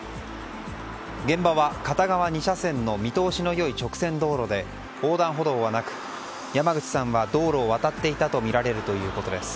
現場は片側２車線の見通しの良い直線道路で横断歩道はなく山口さんは道路を渡っていたとみられるということです。